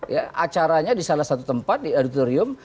ya acaranya di salah satu tempat di auditorium